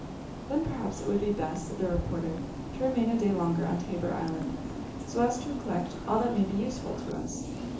"Then perhaps it would be best," said the reporter, "to remain a day longer on Tabor Island, so as to collect all that may be useful to us."